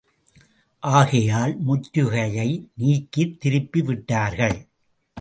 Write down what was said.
ஆகையால் முற்றுகையை நீக்கித் திரும்பி விட்டார்கள்.